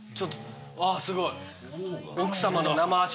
あぁすごい。